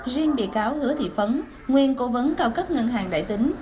riêng bị cáo hứa thị phấn nguyên cố vấn cao cấp ngân hàng đại tín